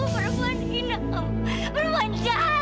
perempuan jahat kamu perempuan licik